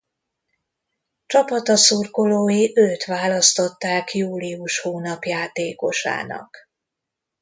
Csapata szurkolói őt választották július hónap játékosának.